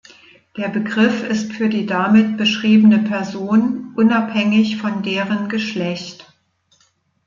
Der Begriff ist für die damit beschriebene Person unabhängig von deren Geschlecht.